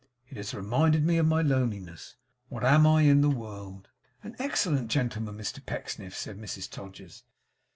It has reminded me of my loneliness. What am I in the world?' 'An excellent gentleman, Mr Pecksniff,' said Mrs Todgers.